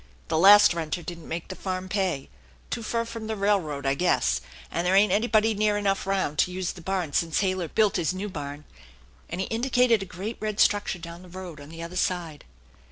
The last renter didn't make the farm pay, too fur from the railroad, I guess, and there ain't anybody near enough round to use the barn since Halyer built his new barn," and he indicated a great red structure down the road on the other side.